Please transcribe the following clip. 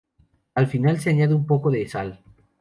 Al final se añade un poco de sal.